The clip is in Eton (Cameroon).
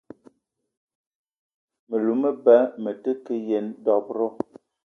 Me lou me ba me te ke yen dob-ro